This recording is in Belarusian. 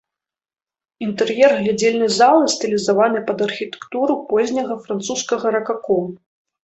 Інтэр'ер глядзельнай залы стылізаваны пад архітэктуру позняга французскага ракако.